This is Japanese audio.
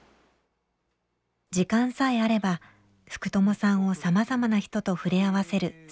時間さえあれば福朋さんをさまざまな人と触れ合わせる須藤さん。